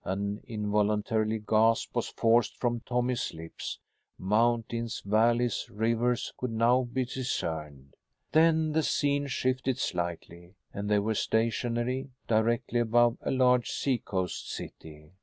An involuntary gasp was forced from Tommy's lips. Mountains, valleys, rivers could now be discerned. Then the scene shifted slightly and they were stationary, directly above a large seacoast city.